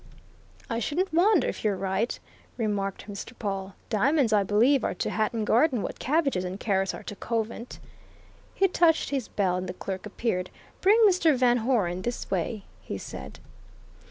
"I shouldn't wonder if you're right," remarked Mr. Pawle. "Diamonds, I believe, are to Hatton Garden what cabbages and carrots are to Covent." He touched his bell, and the clerk appeared. "Bring Mr. Van Hoeren this way," he said.